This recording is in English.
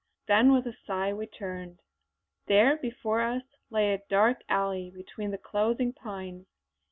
Then with a sigh we turned. There, before us lay a dark alley between the closing pines.